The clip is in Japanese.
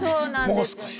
もう少し。